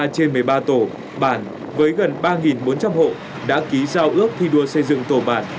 một mươi trên một mươi ba tổ bản với gần ba bốn trăm linh hộ đã ký giao ước thi đua xây dựng tổ bản